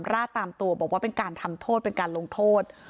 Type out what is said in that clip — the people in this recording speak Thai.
ราดตามตัวบอกว่าเป็นการทำโทษเป็นการลงโทษ